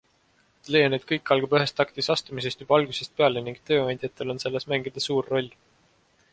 Leian, et kõik algab ühes taktis astumisest juba algusest peale ning tööandjatel on selles mängida suur roll.